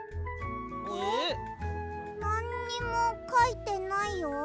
なんにもかいてないよ。